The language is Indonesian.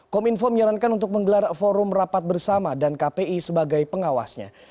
kominfo menyarankan untuk menggelar forum rapat bersama dan kpi sebagai pengawasnya